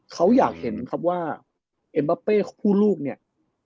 เขาอยากเห็นครับว่าเอ็มบาเป้คู่ลูกเนี่ย